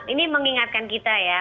ini mengingatkan kita ya